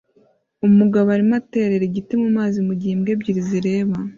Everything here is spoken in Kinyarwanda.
Umugabo arimo aterera igiti mumazi mugihe imbwa ebyiri zireba